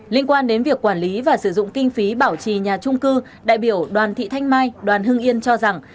liên quan đến việc quản lý và sử dụng kinh phí bảo trì nhà trung cư đại biểu đoàn thị thanh mai đoàn hưng yên cho rằng